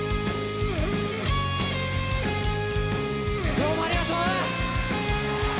どうもありがとう！